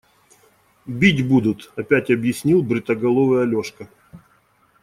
Бить будут, – опять объяснил бритоголовый Алешка.